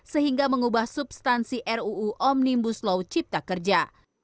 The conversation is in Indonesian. sehingga mengubah substansi ruu omnibus law cipta kerja